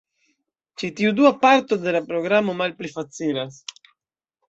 Ĉi tiu dua parto de la programo malpli facilas.